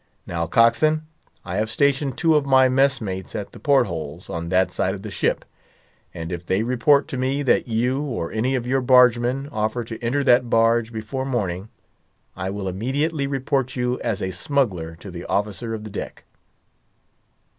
Now, cockswain, I have stationed two of my mess mates at the port holes, on that side of the ship; and if they report to me that you, or any of your bargemen, offer to enter that barge before morning, I will immediately report you as a smuggler to the officer of the deck."